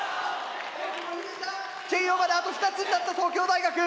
チェイヨーまであと２つになった東京大学！